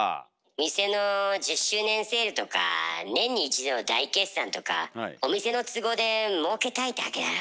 店の１０周年セールとか年に一度大決算とかお店の都合でもうけたいだけだろ？